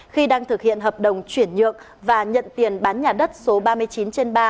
khi đang thực hiện hợp đồng chuyển nhượng và nhận tiền bán nhà đất số ba mươi chín trên ba